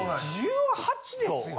１８ですよ。